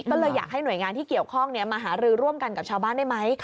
ก็เลยอยากให้หน่วยงานที่เกี่ยวข้องมาหารือร่วมกันกับชาวบ้านได้ไหม